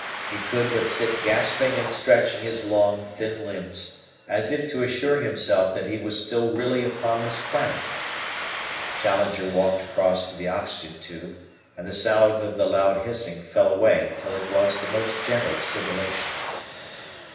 He could but sit gasping and stretching his long, thin limbs, as if to assure himself that he was still really upon this planet. Challenger walked across to the oxygen tube, and the sound of the loud hissing fell away till it was the most gentle sibilation.